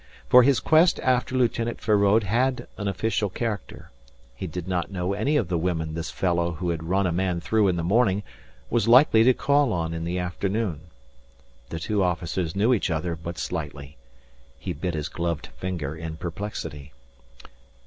For his quest after Lieutenant Feraud had an official character. He did not know any of the women this fellow who had run a man through in the morning was likely to call on in the afternoon. The two officers knew each other but slightly. He bit his gloved finger in perplexity.